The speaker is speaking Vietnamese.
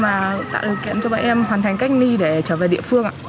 và tạo điều kiện cho bọn em hoàn thành cách ly để trở về địa phương ạ